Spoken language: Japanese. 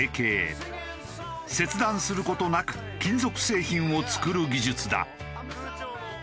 切断する事なく金属製品を作る技術だ。